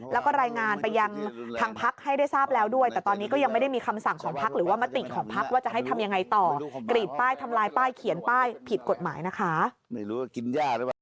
แล้วก็รายงานไปยังทางภักร์ให้ได้ทราบแล้วด้วย